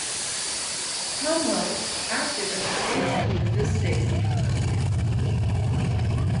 Tom Welsh acted as her agent at this stage of her career.